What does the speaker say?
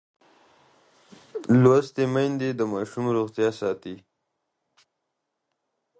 لوستې میندې د ماشوم روغتیا ساتي.